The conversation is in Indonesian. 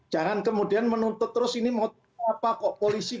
jangan kemudian menuntut terus ini motif apa kok